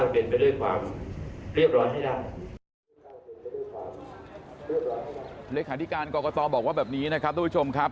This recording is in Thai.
เพื่อให้การตั้งเป็นไปด้วยความเรียบร้อยให้ได้